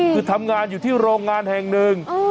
คือทำงานอยู่ที่โรงงานแห่งหนึ่ง